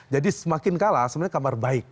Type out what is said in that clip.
jadi semakin kalah sebenarnya kabar baik